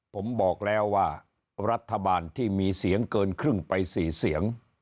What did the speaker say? ผมบอกแล้วว่ารัฐบาลที่มีเสียงเกินครึ่งไป๔เสียง